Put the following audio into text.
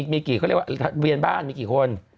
มีกลิ่นบ้านกี่คน